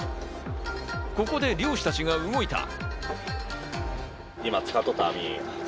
ここで漁師たちが動いた。